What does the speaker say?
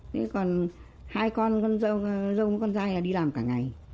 thế còn hai con dâu với con dai là đi làm cả ngày